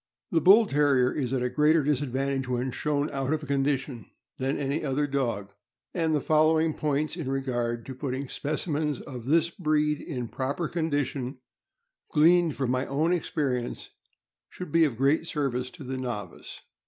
The Bull Terrier is at a greater disadvantage when shown out of condition than any other dog, and the following points in regard to putting specimens of this breed in proper condition, gleaned from my own experience, should be of great service to the novice.